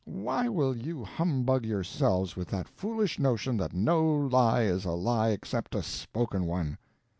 Why will you humbug yourselves with that foolish notion that no lie is a lie except a spoken one?